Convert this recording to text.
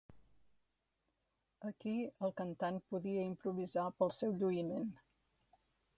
Aquí el cantant podia improvisar per al seu lluïment.